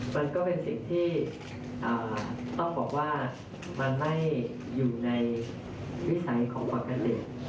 มันก็เป็นสิ่งที่ต้องบอกว่ามันไม่อยู่ในวิสัยของประกฏศิษฐ์